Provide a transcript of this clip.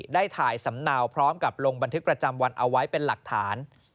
ได้ถ่ายสำเนาพร้อมกับลงบันทึกประจำวันเอาไว้เป็นหลักฐาน